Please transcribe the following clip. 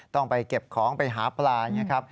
ต้องไปเก็บของไปหาปลา